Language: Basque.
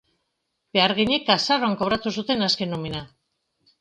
Beharginek azaroan kobratu zuten azken nomina.